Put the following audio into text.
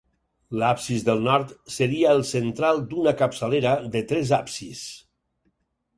L'absis del nord seria el central d'una capçalera de tres absis.